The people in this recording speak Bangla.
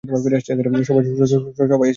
সবাই এসেছে তো?